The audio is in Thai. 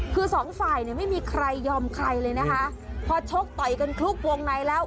คือสองฝ่ายเนี่ยไม่มีใครยอมใครเลยนะคะพอชกต่อยกันคลุกวงในแล้ว